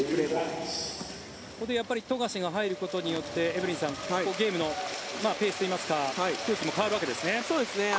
ここで富樫が入ることによってエブリンさん、ゲームのペースといいますか空気も変わるわけですね。